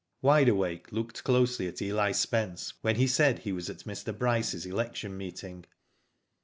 Wide Awake! looked closely at Eli Spence when he said he was at Mr. Bryce's election meeting.